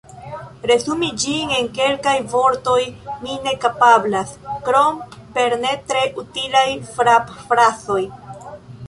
Resumi ĝin en kelkaj vortoj mi ne kapablas, krom per ne tre utilaj frapfrazoj.